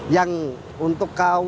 yang untuk kamar